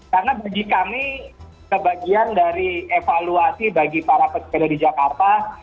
karena bagi kami sebagian dari evaluasi bagi para pesepeda di jakarta